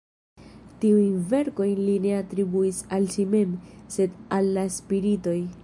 Tiujn verkojn li ne atribuis al si mem, sed al la spiritoj.